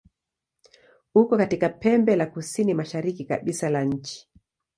Uko katika pembe la kusini-mashariki kabisa la nchi.